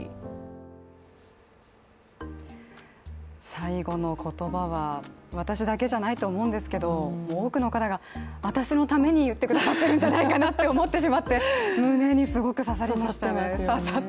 最後の言葉は私だけじゃないと思うんですけど多くの方が、私のために言ってくださってるんじゃないかなって思ってしまって胸にすごく刺さりました。